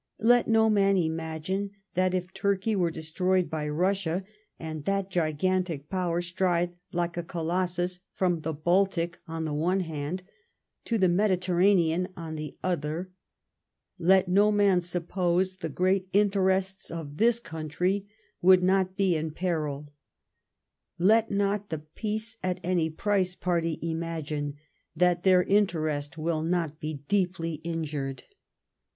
Let no man imagine, that if Turkey were destroyed by Russia, and that gigantic power stride like a Colossus from the Baltic on the one hand to the Mediterranean on the other, let no man suppose the great inte rests of this country would not be in peril ; let not the peace at «ny price party imagine that their interest will not be deeply injured.